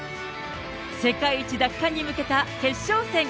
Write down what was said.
世界一奪還に向けた決勝戦。